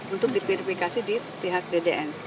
untuk dikirifikasi di pihak ddn